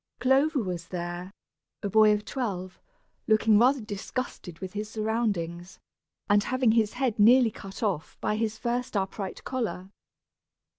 Clover was there, a boy of twelve, looking rather disgusted with his surroundings, and having his head nearly cut off by his first upright collar.